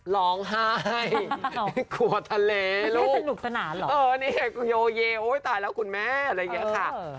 ร้องไห้กลัวทะเลลูกโยเยตายแล้วคุณแม่อะไรอย่างเงี้ยค่ะ